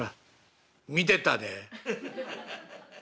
「見てたで。